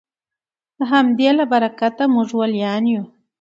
د همدې له برکته موږ ولیان یو